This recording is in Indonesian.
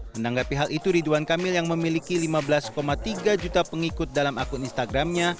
menanggapi hal itu ridwan kamil yang memiliki lima belas tiga juta pengikut dalam akun instagramnya